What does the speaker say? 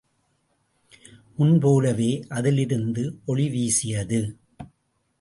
முன் போலவே அதிலிருந்து ஒளி வீசியது.